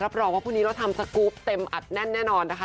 รองว่าพรุ่งนี้เราทำสกรูปเต็มอัดแน่นแน่นอนนะคะ